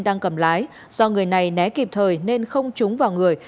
đang cầm lái do người này né kịp thời nên không trúng vào người